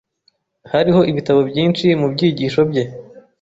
Hariho ibitabo byinshi mubyigisho bye .